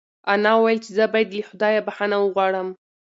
انا وویل چې زه باید له خدایه بښنه وغواړم.